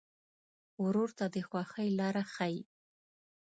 ورور ته د خوښۍ لاره ښيي.